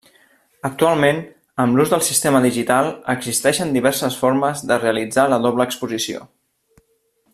Actualment, amb l'ús del sistema digital, existeixen diverses formes de realitzar la doble exposició.